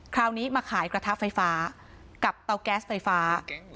คราวนี้มาขายกระทะไฟฟ้ากับเตาแก๊สไฟฟ้า